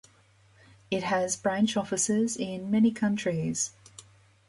It has branch offices in many countries.